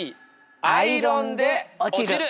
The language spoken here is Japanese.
アイロンで落ちる。